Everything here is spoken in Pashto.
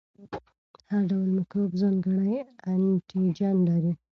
هر ډول میکروب ځانګړی انټيجن لري.